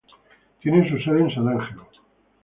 Tiene su sede en San Ángelo.